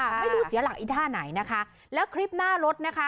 ไม่รู้เสียหลักอีท่าไหนนะคะแล้วคลิปหน้ารถนะคะ